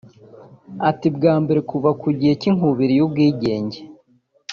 Ati “ Bwa mbere kuva ku gihe cy’inkubiri y’ubwigenge